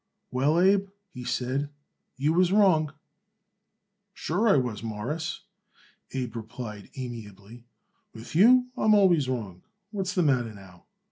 "Well, Abe," he said, "you was wrong." "Sure, I was, Mawruss," Abe replied amiably. "With you I am always wrong. What's the matter now?"